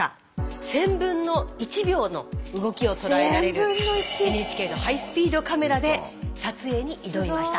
１，０００分の１秒の動きを捉えられるＮＨＫのハイスピードカメラで撮影に挑みました。